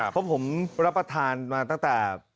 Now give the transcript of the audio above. เพราะผมรับประทานมาตั้งแต่